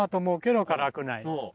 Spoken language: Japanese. そう！